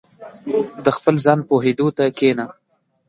• د خپل ځان پوهېدو ته کښېنه.